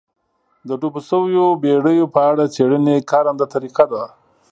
د ډوبو شویو بېړیو په اړه څېړنې کارنده طریقه ده